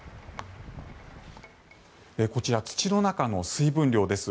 こちら、土の中の水分量です。